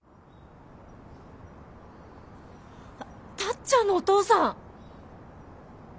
あタッちゃんのお父さん。